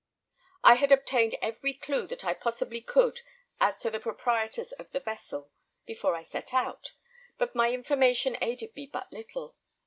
I had obtained every clue that I possibly could as to the proprietors of the vessel, before I set out, but my information aided me but little.